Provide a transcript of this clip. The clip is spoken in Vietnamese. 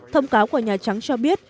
thông cáo của nhà trắng cho biết